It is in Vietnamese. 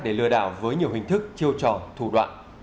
để lừa đảo với nhiều hình thức chiêu trò thủ đoạn